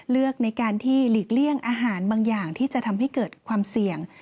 ในการที่หลีกเลี่ยงอาหารบางอย่างที่จะทำให้เกิดความเสี่ยง